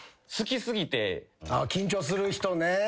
緊張する人ね。